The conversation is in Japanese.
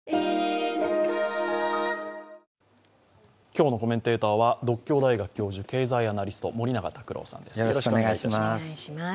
今日のコメンテーターは獨協大学経済学部教授、経済アナリスト、森永卓郎さんです。